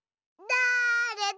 だれだ？